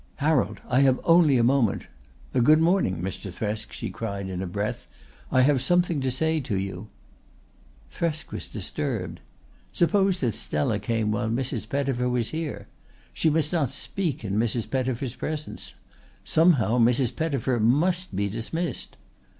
"Harold, I have only a moment. Good morning, Mr. Thresk," she cried in a breath. "I have something to say to you." Thresk was disturbed. Suppose that Stella came while Mrs. Pettifer was here! She must not speak in Mrs. Pettifer's presence. Somehow Mrs. Pettifer must be dismissed.